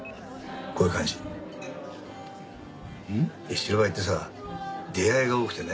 白バイってさ出会いが多くてね。